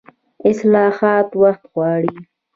اصلاحات وخت غواړي